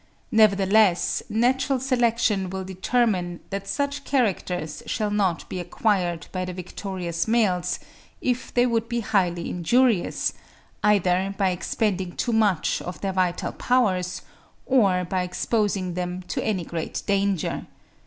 Nevertheless, natural selection will determine that such characters shall not be acquired by the victorious males, if they would be highly injurious, either by expending too much of their vital powers, or by exposing them to any great danger.